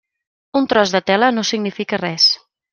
Un tros de tela no significava res.